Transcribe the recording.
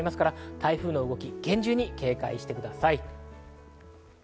台風の動き、厳重に警戒してください。